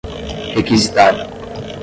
requisitar